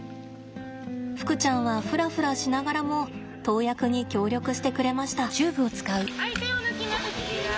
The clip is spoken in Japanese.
ふくちゃんはフラフラしながらも投薬に協力してくれました。